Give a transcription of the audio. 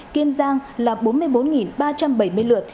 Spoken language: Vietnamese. kiên giang là bốn mươi bốn ba trăm bảy mươi lượt